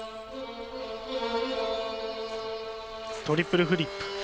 トリプルフリップ。